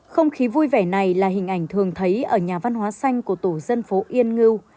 không khí vui vẻ này là hình ảnh thường thấy ở nhà văn hóa xanh của tổ dân phố yên ngưu